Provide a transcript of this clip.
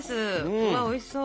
うわおいしそう。